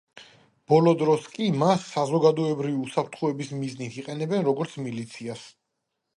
ბოლო დროს კი მას საზოგადოებრივი უსაფრთხოების მიზნით იყენებენ როგორც მილიციას.